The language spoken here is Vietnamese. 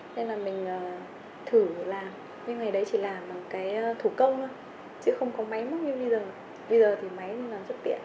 nên là mình thử làm nhưng ngày đấy chỉ làm bằng cái thủ công thôi chứ không có máy mất như bây giờ bây giờ thì máy là rất tiện